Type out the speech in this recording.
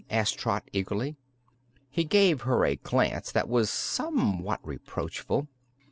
asked Trot eagerly. He gave her a glance that was somewhat reproachful.